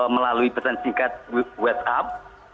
melalui pesan singkat whatsapp